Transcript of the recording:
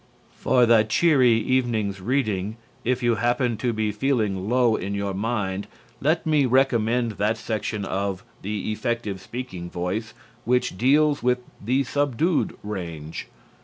For the cheery evening's reading, if you happen to be feeling low in your mind, let me recommend that section of "The Effective Speaking Voice" which deals with "the Subdued Range."